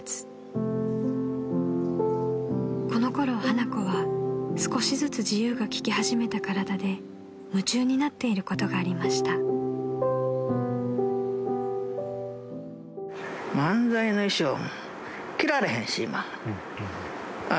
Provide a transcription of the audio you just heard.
［このころ花子は少しずつ自由が利き始めた体で夢中になっていることがありました］というのは。